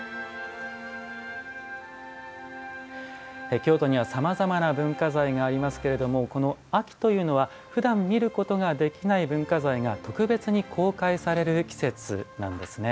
京都にはさまざまな文化財がありますけれどもこの、秋というのはふだん見ることができない文化財が特別に公開される季節なんですね。